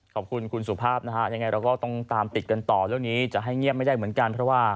ขอบคุณคุณสุภาพนะฮะยังไงเราก็ต้องตามติดกันต่อเรื่องนี้จะให้เงียบไม่ได้เหมือนกันเพราะว่า